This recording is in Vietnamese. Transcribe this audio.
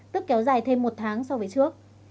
tức kéo dài thêm một tháng so với trước